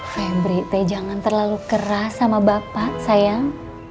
febri teh jangan terlalu keras sama bapak sayang